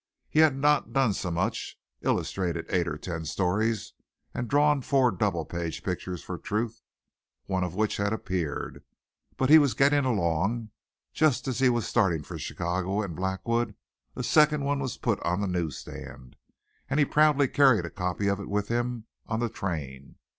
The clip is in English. He had not done so much illustrated eight or ten stories and drawn four double page pictures for Truth, one of which had appeared; but he was getting along. Just as he was starting for Chicago and Blackwood a second one was put on the news stand and he proudly carried a copy of it with him on the train.